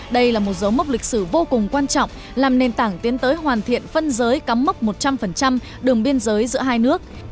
đây là một dấu mốc lịch sử vô cùng quan trọng làm nền tảng tiến tới hoàn thiện phân giới cắm mốc một trăm linh đường biên giới giữa hai nước